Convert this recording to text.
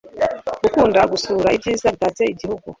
gukunda gusura ibyiza bitatse igihugu